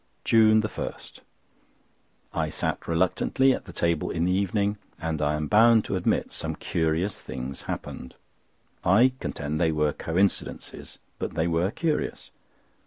JUNE 1.—I sat reluctantly at the table in the evening, and I am bound to admit some curious things happened. I contend they were coincidences, but they were curious.